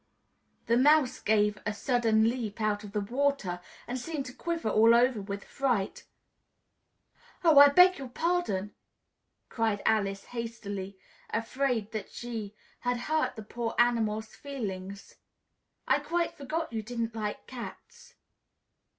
The Mouse gave a sudden leap out of the water and seemed to quiver all over with fright. "Oh, I beg your pardon!" cried Alice hastily, afraid that she had hurt the poor animal's feelings. "I quite forgot you didn't like cats."